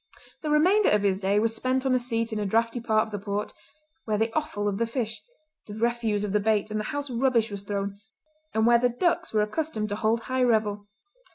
The remainder of his day was spent on a seat in a draughty part of the port, where the offal of the fish, the refuse of the bait, and the house rubbish was thrown, and where the ducks were accustomed to hold high revel.